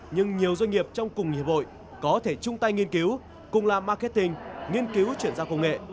nhưng nhiều doanh nghiệp trong cùng hiệp hội có thể chung tay nghiên cứu cùng la marketing nghiên cứu chuyển giao công nghệ